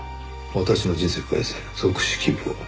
「私の人生返せ即死希望」